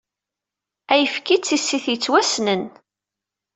Ayefki d tissit yettwassnen.